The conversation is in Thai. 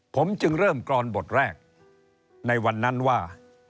ผมจึงเริ่มกรอนบทแรกในวันนั้นว่า